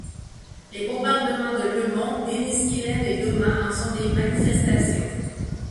Les bombardements de Le Mon, d'Enniskillen et d'Omagh en sont des manifestations.